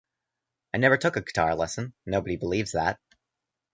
I never took a guitar lesson, nobody believes that.